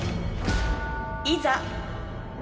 いざ。